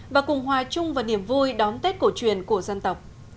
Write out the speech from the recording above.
và cùng hòa chung vào niềm vui đón tết cổ truyền của dân tộc